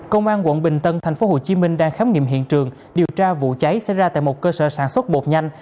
công an quận bình tân tp hcm đang khám nghiệm hiện trường điều tra vụ cháy xảy ra tại một cơ sở sản xuất bột nhanh